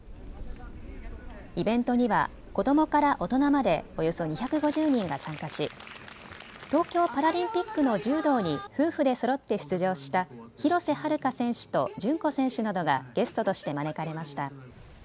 イベントには子どもからから大人までおよそ２５０人が参加し東京パラリンピックの柔道に夫婦でそろって出場した廣瀬悠選手と順子選手などがゲストとして招かれました。